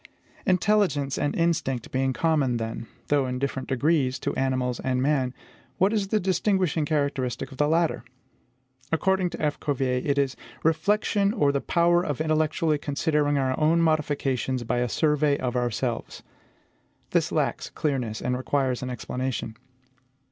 Intelligence and instinct being common, then, though in different degrees, to animals and man, what is the distinguishing characteristic of the latter? According to F. Cuvier, it is REFLECTION OR THE POWER OF INTELLECTUALLY CONSIDERING OUR OWN MODIFICATIONS BY A SURVEY OF OURSELVES. This lacks clearness, and requires an explanation.